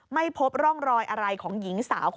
ไม่พบร่องรอยอะไรของหญิงสาว